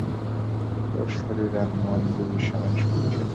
ওর শরীর আর মন দুই-ই সমান শক্তিশালী।